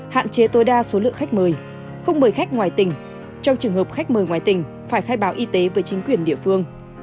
hạn chế tối đa số lượng khách mời không mời khách ngoài tỉnh trong trường hợp khách mời ngoài tỉnh phải khai báo y tế với chính quyền địa phương